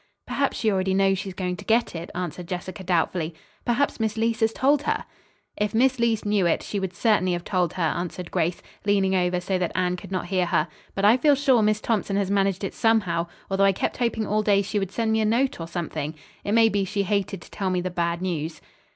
"Perhaps she already knows she's going to get it," answered Jessica doubtfully. "Perhaps Miss Leece has told her." "If Miss Leece knew it, she would certainly have told her," answered Grace, leaning over so that Anne could not hear her; "but I feel sure Miss Thompson has managed it somehow, although I kept hoping all day she would send me a note or something. It may be she hated to tell me the bad news."